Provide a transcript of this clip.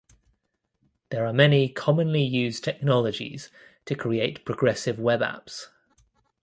There are many commonly used technologies to create progressive web apps.